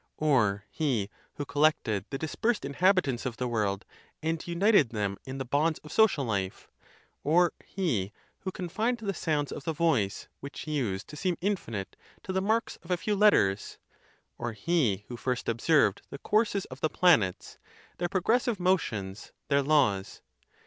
or he who collected the dispersed in habitants of the world, and united them in the bonds of social life? or he who confined the sounds of the voice, which used to seem infinite, to the marks of a few letters? or he who first observed the courses of the planets, their progressive motions, their laws?